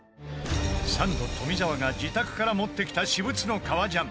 サンド富澤が自宅から持ってきた私物の革ジャン